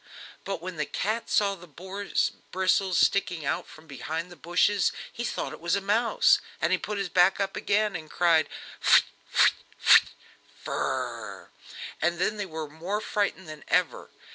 But when the cat saw the boar's bristles sticking out from behind the bushes he thought it was a mouse, and put up his back again and cried: "Ft! ft! ft! Frrrrrrr!" Then they were more frightened than ever.